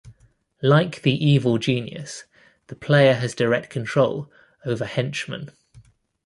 Like the Evil Genius, the player has direct control over "Henchmen".